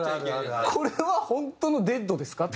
これは本当のデッドですか？